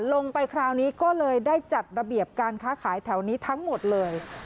คราวนี้ก็เลยได้จัดระเบียบการค้าขายแถวนี้ทั้งหมดเลย